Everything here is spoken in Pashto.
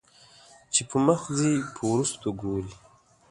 چې پۀ مخ ځې په وروستو ګورې